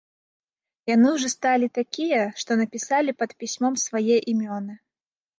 Яны ўжо сталі такія, што напісалі пад пісьмом свае імёны.